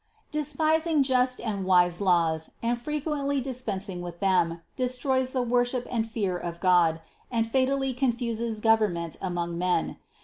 Despising just and wise laws and frequently dispensing with them, destroys the wor ship and fear of God, and fatally confuses government among men.